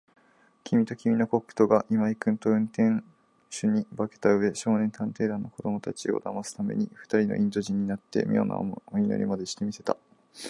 きみときみのコックとが、今井君と運転手に化けたうえ、少年探偵団の子どもたちをだますために、ふたりのインド人になって、みょうなお祈りまでして見せた。